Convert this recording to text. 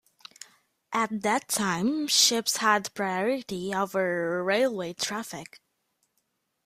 At that time ships had priority over railway traffic.